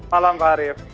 selamat malam pak harif